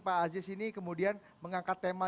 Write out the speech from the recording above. pak aziz ini kemudian mengangkat tema